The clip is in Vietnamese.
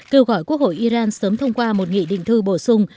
kêu gọi quốc hội iran sớm thông qua một nghị định thư bổ sung